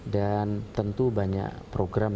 dan tentu banyak program